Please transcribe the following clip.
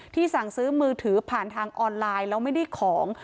สั่งซื้อมือถือผ่านทางออนไลน์แล้วไม่ได้ของ